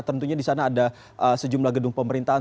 tentunya di sana ada sejumlah gedung pemerintahan